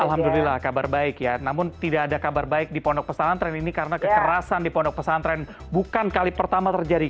alhamdulillah kabar baik ya namun tidak ada kabar baik di pondok pesantren ini karena kekerasan di pondok pesantren bukan kali pertama terjadi